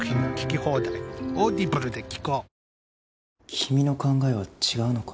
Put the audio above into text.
君の考えは違うのか？